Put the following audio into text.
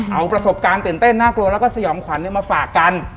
เอาประสบการณ์ตื่นเต้นน่ากลัวแล้วก็สยองขวัญมาฝากกัน